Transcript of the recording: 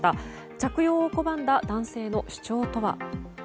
着用を拒んだ男性の主張とは。